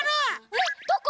えっどこ？